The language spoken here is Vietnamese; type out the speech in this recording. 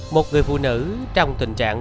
một người phụ nữ trong tình trạng